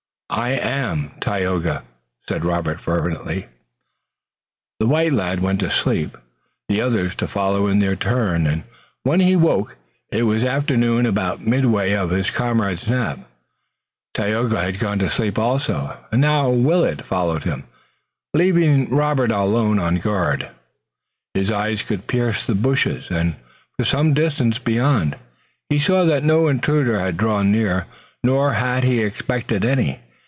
"I am, Tayoga," said Robert fervently. The white lad went to sleep by and by, the others to follow in their turn, and when he woke it was afternoon. About midway of his comrade's nap Tayoga had gone to sleep also, and now Willet followed him, leaving Robert alone on guard. His eyes could pierce the bushes, and for some distance beyond, and he saw that no intruder had drawn near. Nor had he expected any.